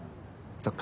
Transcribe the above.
そっか。